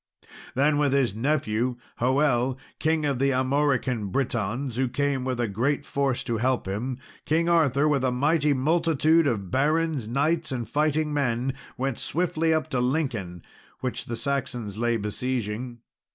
Then with his nephew, Hoel, King of the Armorican Britons, who came with a great force to help him, King Arthur, with a mighty multitude of barons, knights, and fighting men, went swiftly up to Lincoln, which the Saxons lay besieging.